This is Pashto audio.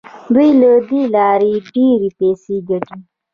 دوی له دې لارې ډیرې پیسې ګټي.